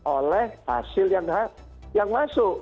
oleh hasil yang masuk